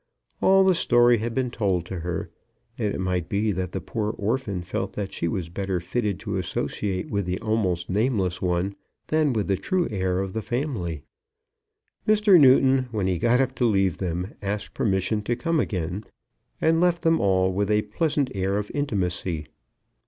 All the story had been told to her, and it might be that the poor orphan felt that she was better fitted to associate with the almost nameless one than with the true heir of the family. Mr. Newton, when he got up to leave them, asked permission to come again, and left them all with a pleasant air of intimacy.